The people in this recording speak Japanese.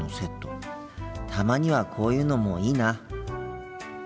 たまにはこういうのもいいな。